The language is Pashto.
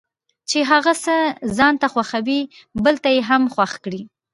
چې هغه څه ځانته خوښوي بل ته یې هم خوښ کړي.